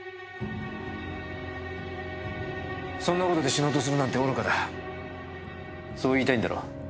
そんな事で死のうとするなんて愚かだそう言いたいんだろ？